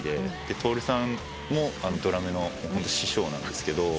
トオルさんもドラムの師匠なんですけど。